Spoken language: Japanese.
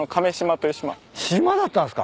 島だったんすか？